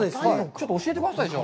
ちょっと教えてくださいよ。